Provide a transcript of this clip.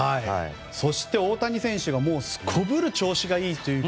そして、大谷選手もすこぶる調子がいいと。